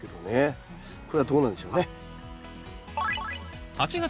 これはどうなんでしょうね。